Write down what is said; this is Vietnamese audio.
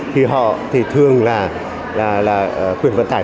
thì họ thì thường là quyền vận tải